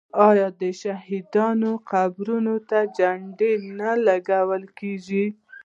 آیا د شهیدانو قبرونو ته جنډې نه لګول کیږي؟